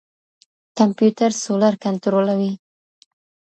کمپيوټر سولر کنټرولوي.